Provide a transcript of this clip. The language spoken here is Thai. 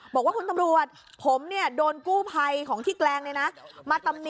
บอกว่าคุณตำรวจผมเนี่ยโดนกู้ภัยของที่แกลงเนี่ยนะมาตำหนิ